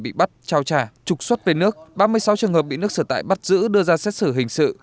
bị bắt trao trả trục xuất về nước ba mươi sáu trường hợp bị nước sở tại bắt giữ đưa ra xét xử hình sự